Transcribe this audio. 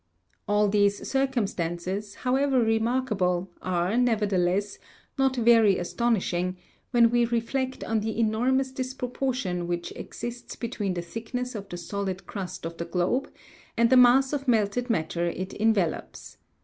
All these circumstances, however remarkable, are, nevertheless, not very astonishing, when we reflect on the enormous dispropor tion which exists between the thickness of the solid crust of the globe, and the mass of melted matter it envelopes.